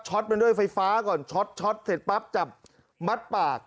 ช็อตมันด้วยไฟฟ้าก่อนช็อตช็อตเสร็จปั๊บจับมัดปาก